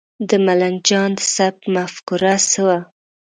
د ملنګ جان د سبک مفکوره څه وه؟